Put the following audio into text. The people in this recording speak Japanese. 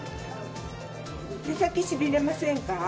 手先しびれませんか？